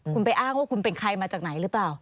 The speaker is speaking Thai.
คุณไปอ้างว่าคุณเป็นใครมาจากไหนหรือเปล่า